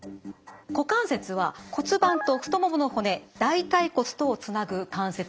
股関節は骨盤と太ももの骨大腿骨とをつなぐ関節です。